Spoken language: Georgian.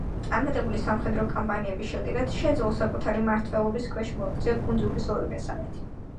წარმატებული სამხედრო კამპანიების შედეგად შეძლო საკუთარი მმართველობის ქვეშ მოექცია კუნძულის ორი მესამედი.